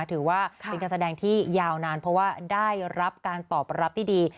ถือว่าเป็นการแสดงที่ยาวนานเพราะว่าได้รับการตอบรับที่ดี